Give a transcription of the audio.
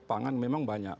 pangan memang banyak